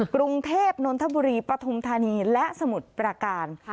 กรุงเทพนนทบุรีปฐุมธานีและสมุทรประการ